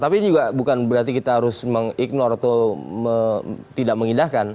tapi ini juga bukan berarti kita harus meng ignore atau tidak mengidahkan